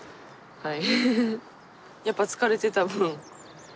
はい。